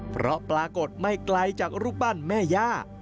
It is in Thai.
เพราะปรากฏไม่ไกลจากรูปปั้นแม่ย่า